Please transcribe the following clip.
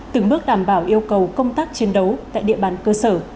từng bước đảm bảo yêu cầu công tác chiến đấu tại địa bàn cơ sở